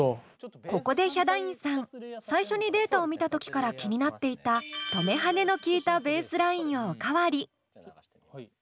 ここでヒャダインさん最初にデータを見た時から気になっていた止め跳ねのきいたベースラインをおかわり。